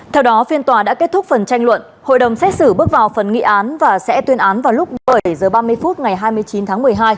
theo đó phiên tòa đã kết thúc phần tranh luận hội đồng xét xử bước vào phần nghị án và sẽ tuyên án vào lúc bảy h ba mươi phút ngày hai mươi chín tháng một mươi hai